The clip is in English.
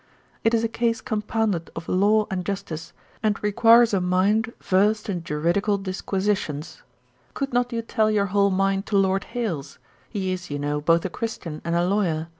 It is a case compounded of law and justice, and requires a mind versed in juridical disquisitions. Could not you tell your whole mind to Lord Hailes? He is, you know, both a Christian and a Lawyer.